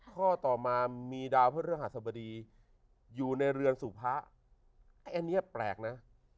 ข้อต่อมามีดาวพระฤหัสบดีอยู่ในเรือนสู่พระอันนี้แปลกนะ